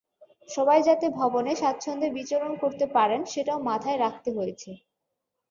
সবাই যাতে ভবনে স্বাচ্ছন্দ্যে বিচরণ করতে পারেন, সেটাও মাথায় রাখতে হয়েছে।